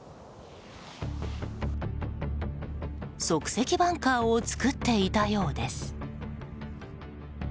即席バンカーを作っていたようです。